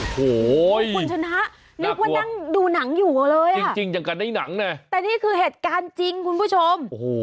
โอ้โหคุณชนะนี่ควรดูหนังอยู่เลยจริงจังกันได้หนังเนี่ยแต่นี่คือเหตุการณ์จริงคุณผู้ชม